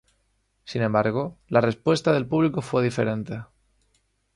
Sin embargo, la respuesta del público fue diferente.